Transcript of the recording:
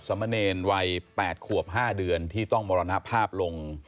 สมเนรวัย๘ขวบ๕เดือนที่ต้องมรณภาพลง